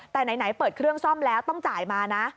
แต่ไหนเปิดเครื่องซ่อมแล้วต้องจ่ายมานะ